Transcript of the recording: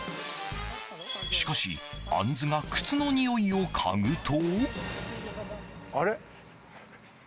しかし、アンズが靴のにおいを嗅ぐと。